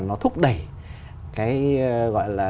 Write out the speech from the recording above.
nó thúc đẩy cái gọi là